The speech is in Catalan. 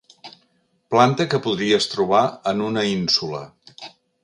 Planta que podries trobar en una ínsula.